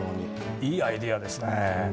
いいアイデアですねえ。